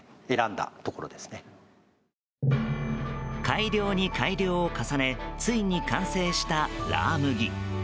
改良に改良を重ねついに完成したラー麦。